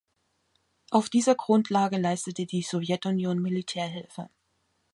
Auf dieser Grundlage leistete die Sowjetunion Militärhilfe.